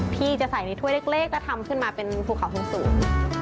พี่จะใส่ในถ้วยเล็กแล้วทำขึ้นมาเป็นภูเขาสูง